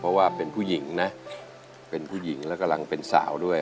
เพราะว่าเป็นผู้หญิงนะเป็นผู้หญิงและกำลังเป็นสาวด้วย